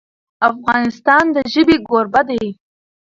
افغانستان د ژبې کوربه دی.